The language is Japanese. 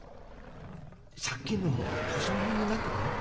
借金の保証人になってくれん？